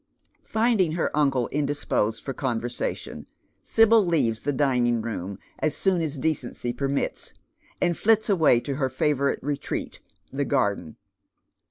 Finding her uncle indisposed for conversation, Sibyl leaves the dining room as soon as decency permits, and flits away to her favourite retreat — the garden.